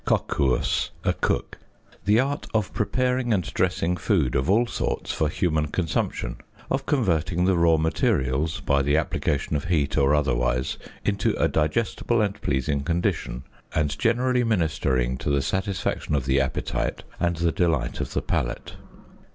coquus, a cook), the art of preparing and dressing food of all sorts for human consumption, of converting the raw materials, by the application of heat or otherwise, into a digestible and pleasing condition, and generally ministering to the satisfaction of the appetite and the delight of the palate.